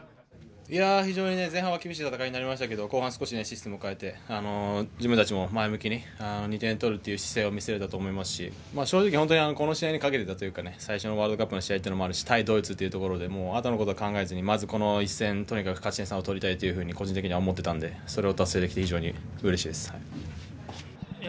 非常に前半は厳しい戦いになりましたけど後半は少しシステム変えて自分たちも前向きに２点取るっていう姿勢を見せられたと思いますし正直、本当にこの試合にかけてたというか最初のワールドカップの試合っていうのもあるし対ドイツということであとのことを考えずにまずこの１戦、とにかく勝ち点３を取りたいというふうに個人的には思ってたのでそれを達成できて非常にうれしいです。